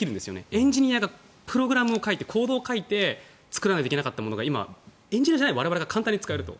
エンジニアがプログラムを書いてコードを書いて作らないといけなかったものが今、エンジニアじゃない我々が簡単に使えると。